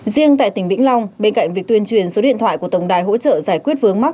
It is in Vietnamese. riêng tại tỉnh vĩnh long bên cạnh việc tuyên truyền số điện thoại của tổng đài hỗ trợ giải quyết vướng mắt